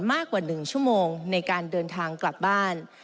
มากกว่า๑ชั่วโมงในการเดินทางกลับบ้าน